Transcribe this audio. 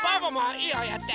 いいよやって。